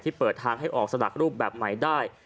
เปิดทางให้ออกสลักรูปแบบใหม่ได้